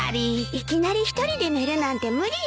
いきなり１人で寝るなんて無理よ。